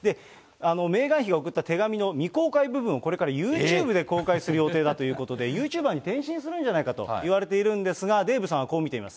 メーガン妃が送った手紙の未公開部分を、これからユーチューブで公開する予定だということで、ユーチューバーに転身するんじゃないかといわれているんですが、デーブさんはこう見ています。